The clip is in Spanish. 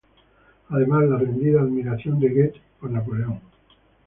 Además, la rendida admiración de Goethe por Napoleón.